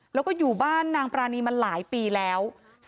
แล้วก็อยู่บ้านนางปรานีมาหลายปีแล้ว